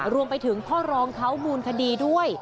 รวมไปถึงข้อรองเท้ามูลคดีด้วย